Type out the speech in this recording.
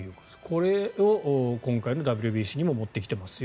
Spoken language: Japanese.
これを今回のＷＢＣにも持ってきていますよ。